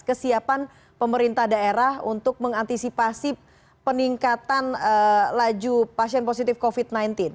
kesiapan pemerintah daerah untuk mengantisipasi peningkatan laju pasien positif covid sembilan belas